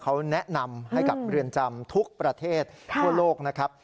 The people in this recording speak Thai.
เขาแนะนำให้กับเรือนจำทุกประเทศทั่วโลกนะครับ